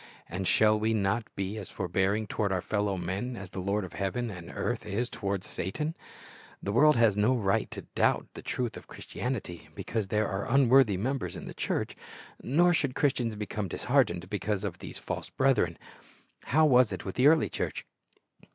And shall we not be as forbearing toward our fellow men as the Lord of heaven and earth is toward Satan ? The world has no right to doubt the truth of Christianity Ta res 73 because there are unworthy members in the church, nor should Christians become disheartened because of these false brethren. How A\'as it with the early church?